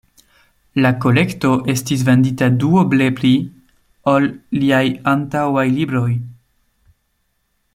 La kolekto estis vendita duoble pli ol liaj antaŭaj libroj.